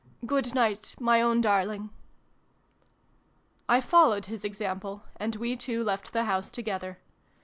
Good night, my own own darling !" I followed his example, and we two left the house together.